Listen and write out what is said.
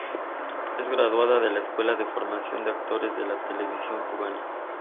Es graduada de la Escuela de Formación de Actores de la Televisión Cubana.